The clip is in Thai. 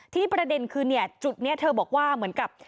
ประเด็นคือจุดนี้เธอบอกว่าเหมือนกับ